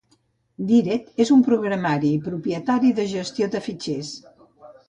Dired és un programari propietari de gestió de fitxers.